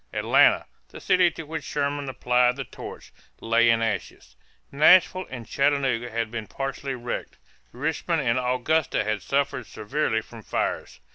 Atlanta, the city to which Sherman applied the torch, lay in ashes; Nashville and Chattanooga had been partially wrecked; Richmond and Augusta had suffered severely from fires.